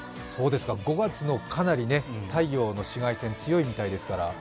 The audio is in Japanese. ５月も、かなり太陽の紫外線強いみたいですから。